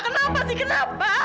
kenapa sih kenapa